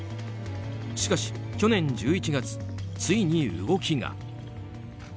しかし去年１１月、ついに動きが。